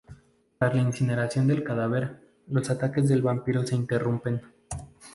Tras la incineración del cadáver, los ataques del vampiro se interrumpen.